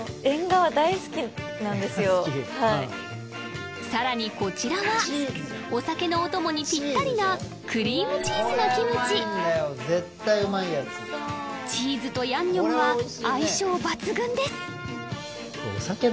えんがわ好きうんさらにこちらはお酒のお供にぴったりなクリームチーズのキムチチーズとヤンニョムは相性抜群です